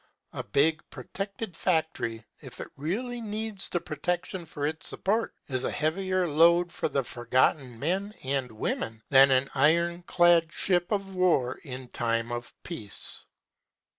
A big protected factory, if it really needs the protection for its support, is a heavier load for the Forgotten Men and Women than an iron clad ship of war in time of peace.